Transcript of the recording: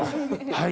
はい。